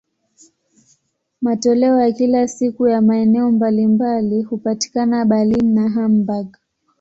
Matoleo ya kila siku ya maeneo mbalimbali hupatikana Berlin na Hamburg.